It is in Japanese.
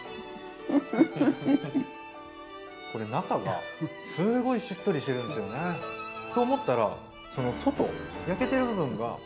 これ中がすごいしっとりしてるんですよね。と思ったらその外焼けてる部分が。